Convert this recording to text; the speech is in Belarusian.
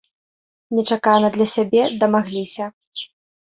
Нечакана для сябе, дамагліся.